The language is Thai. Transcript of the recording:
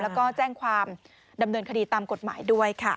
แล้วก็แจ้งความดำเนินคดีตามกฎหมายด้วยค่ะ